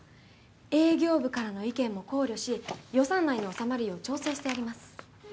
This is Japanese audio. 営業部からの意見も考慮し予算内に収まるよう調整してあります。